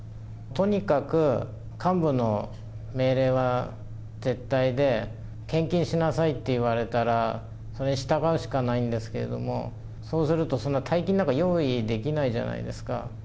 とにかく幹部の命令は絶対で、献金しなさいって言われたら、それに従うしかないんですけれども、そうすると、そんな大金なんか用意できないじゃないですか、